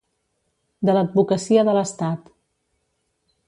De l’advocacia de l’estat.